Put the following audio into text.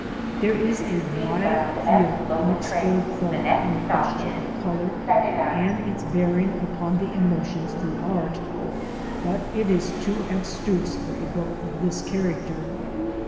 There is a wide field of unexplored thought in the question of colour and its bearing upon the emotions through art, but it is too abstruse for a book of this character.